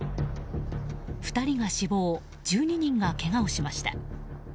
２人が死亡１２人がけがをしました。